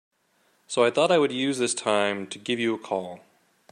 So I thought I would use this time to give you a call.